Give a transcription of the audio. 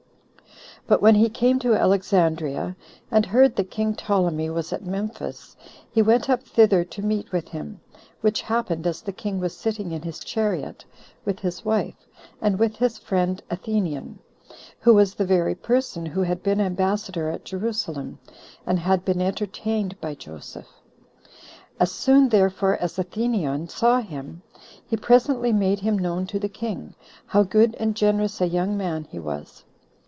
But when he came to Alexandria, and heard that king Ptolemy was at Memphis, he went up thither to meet with him; which happened as the king was sitting in his chariot, with his wife, and with his friend Athenion, who was the very person who had been ambassador at Jerusalem, and had been entertained by Joseph. As soon therefore as Athenion saw him, he presently made him known to the king, how good and generous a young man he was.